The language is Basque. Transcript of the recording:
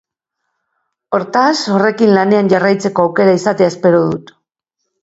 Hortaz, horrekin lanean jarraitzeko aukera izatea espero dut.